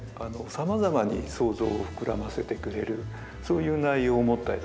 さまざまに想像を膨らませてくれるそういう内容を持った絵だと思います。